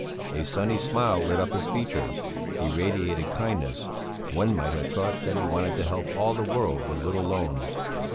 A sunny smile lit up his features; he radiated kindness; one might have thought that he wanted to help all the world with little loans.